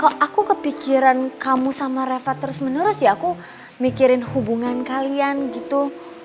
kok aku kepikiran kamu sama reva terus menerus ya aku mikirin hubungan kalian gitu